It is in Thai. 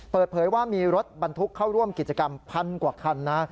เปิดเผยว่ามีรถบรรทุกเข้าร่วมกิจกรรมพันกว่าคันนะ